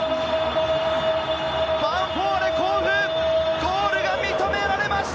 ヴァンフォーレ甲府、ゴールが認められました！